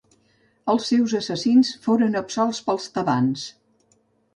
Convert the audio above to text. Els seus assassins foren absolts pels tebans.